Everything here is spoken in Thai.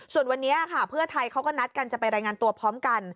ส่วนวันนี้ค่ะเพื่อไทยเขาก็นัดกันจะไปรายงานตัวพร้อมกัน